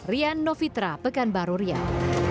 rian novitra pekanbaru riau